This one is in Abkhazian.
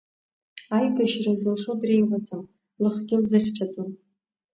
Аибашьра зылшо дреиуаӡам, лыхгьы лзыхьчаӡом.